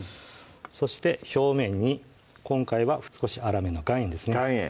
そして表面に今回は少し粗めの岩塩ですね